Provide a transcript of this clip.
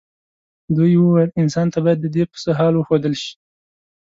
دوی وویل انسان ته باید ددې پسه حال وښودل شي.